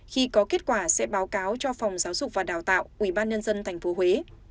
khi có kết quả sẽ báo cáo cho phòng giáo dục và đào tạo ubnd tp huế